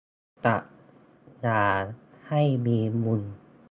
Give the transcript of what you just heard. ตัดอย่าให้มีมุม